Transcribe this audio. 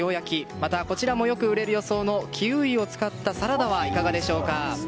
また、こちらもよく売れる予想のキウイを使ったサラダはいかがでしょうか。